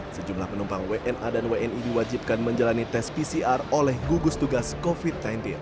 sejumlah penumpang wna dan wni diwajibkan menjalani tes pcr oleh gugus tugas covid sembilan belas